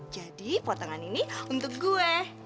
jadi potongan ini untuk gue